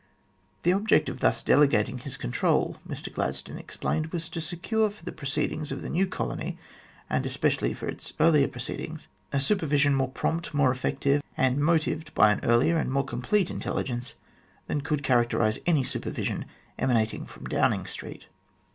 The object of thus delegat ing his control, Mr Gladstone explained, was to secure for the proceedings of the new colony and especially for its earlier proceedings a supervision more prompt, more effective, and motived by an earlier and more complete in telligence than could characterise any supervision emanating from Downing Street.